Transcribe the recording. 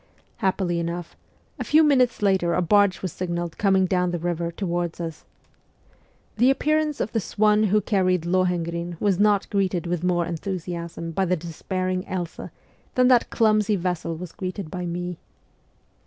Happily enough, a few minutes later a barge was signalled coming down the river towards us. The appearance of the swan who carried Lohengrin was not greeted with more enthu siasm by the despairing Elsa than that clumsy vessel was greeted ' by me.